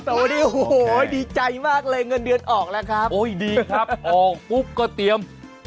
แต่วันนี้โอ้โหดีใจมากเลยเงินเดือนออกแล้วครับโอ้ยดีครับออกปุ๊บก็เตรียม